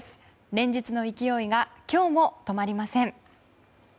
連日の勢いが今日も止まりません。